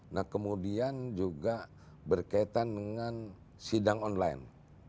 nah kemudian juga berkaitan dengan sidang online